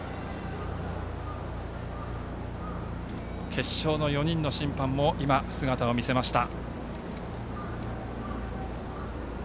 決勝の４人の審判も今、姿を見せました。